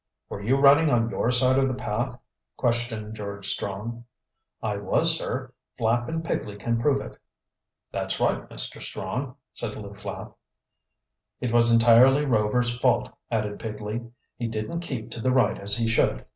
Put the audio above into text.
"Were you running on your side of the path?" questioned George Strong. "I was, sir. Flapp and Pigley can prove it." "That's right, Mr. Strong," said Lew Flapp. "It was entirely Rover's fault," added Pigley. "He didn't keep to the right as he should."